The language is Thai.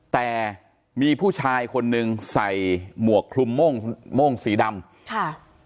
แต่มีผู้ชายคนหนึ่งใส่หมวกคลุมโม่งโม่งสีดำค่ะ